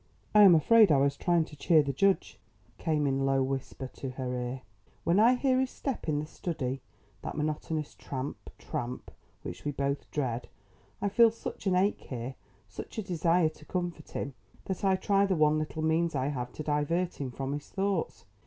"I am afraid I was trying to cheer the judge," came in low whisper to her ear. "When I hear his step in the study that monotonous tramp, tramp, which we both dread, I feel such an ache here, such a desire to comfort him, that I try the one little means I have to divert him from his thoughts.